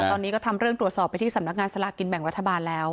ตอนนี้ก็ทำเรื่องตรวจสอบไปที่สำนักงานสลากินแบ่งรัฐบาลแล้ว